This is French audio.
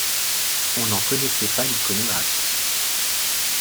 On n'en connaissait pas l'iconographie.